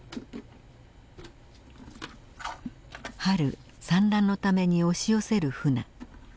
春産卵のために押し寄せるフナ。